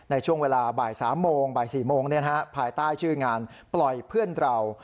ในช่วงเวลาบ่ายสามโมงบ่ายสี่โมงเนี่ยฮะภายใต้ชื่องานปล่อยเพื่อนเรา